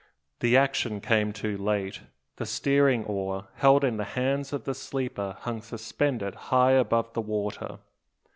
The action came too late. The steering oar, held in the hands of the sleeper, hung suspended high above the water.